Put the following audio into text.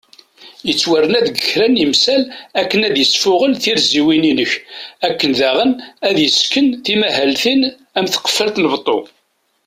Ittwarna deg kra n ismal akken ad isfuγel tirziwin inek , akken daγen ad d-yesken timahaltin am tqefalt n beṭṭu